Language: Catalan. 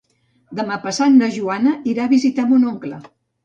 Demà passat na Joana irà a visitar mon oncle.